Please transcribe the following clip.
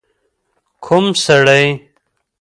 ک و م سړی؟